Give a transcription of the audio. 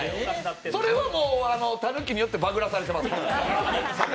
それはたぬきによってバクらされてます。